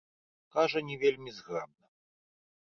Кажа не вельмі зграбна.